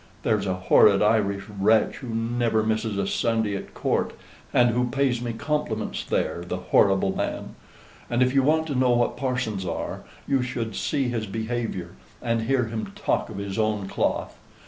There's a horrid Irish wretch who never misses a Sunday at Court, and who pays me compliments there, the horrible man; and if you want to know what parsons are, you should see his behavior, and hear him talk of his own cloth.